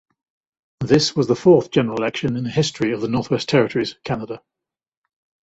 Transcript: This was the fourth general election in the history of the Northwest Territories, Canada.